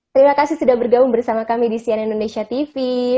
terima kasih sudah bergabung bersama kami di sian indonesia tv